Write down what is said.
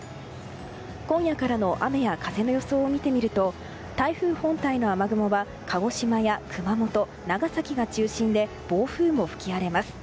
今夜からの雨や風の予想を見てみると台風本体の雨雲は鹿児島や熊本、長崎が中心で暴風も吹き荒れます。